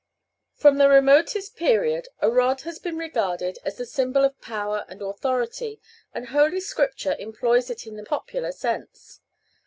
From the remotest period a rod has been regarded as the symbol of power and authority, and Holy Scripture employs it in the popular sense.